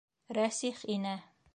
Рәсих инә.